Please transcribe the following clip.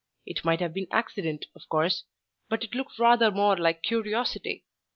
It might have been accident, of course; but it looked rather more like curiosity.